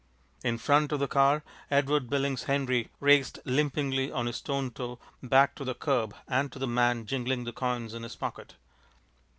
In front of the car Edward Billings Henry raced limpingly on his stone toe back to the curb and to the man jingling the coins in his pocket.